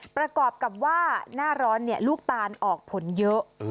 ประกอบกับว่าหน้าร้อนลูกตาลออกผลเยอะ